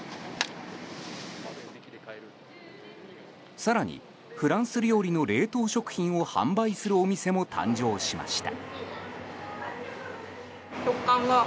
更にフランス料理の冷凍食品を販売するお店も誕生しました。